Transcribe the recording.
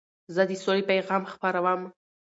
زه د سولي پیغام خپروم.